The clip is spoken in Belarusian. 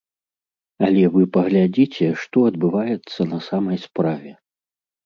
Але вы паглядзіце, што адбываецца на самай справе.